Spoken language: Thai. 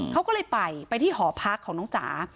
เขาก็เลยไปไปที่หอพักของน้องจ๋า